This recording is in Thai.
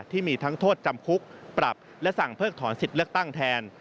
ที่มีทั้งโทษจำคุกปรับและสั่งเพิกถอนสิทธิ์เลือกตั้งแทน